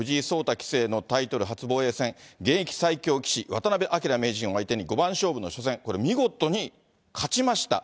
棋聖のタイトル初防衛戦、現役最強棋士、渡辺明名人を相手に五番勝負の初戦、これ、見事に勝ちました。